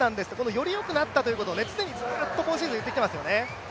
よりよくなってきたと常にずーっと今シーズン言い続けていますよね。